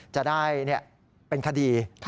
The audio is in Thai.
จะได้เป็นคดี